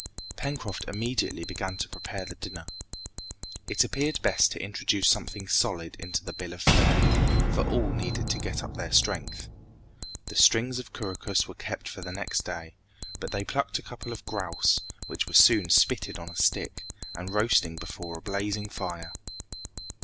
Pencroft immediately began to prepare the dinner. It appeared best to introduce something solid into the bill of fare, for all needed to get up their strength. The strings of couroucous were kept for the next day, but they plucked a couple of grouse, which were soon spitted on a stick, and roasting before a blazing fire.